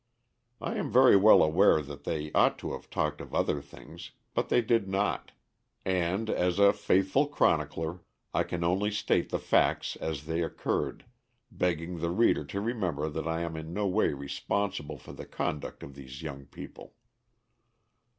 I am very well aware that they ought to have talked of other things, but they did not; and, as a faithful chronicler, I can only state the facts as they occurred, begging the reader to remember that I am in no way responsible for the conduct of these young people.